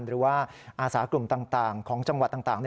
หรือว่าอาสากลุ่มต่างของจังหวัดต่าง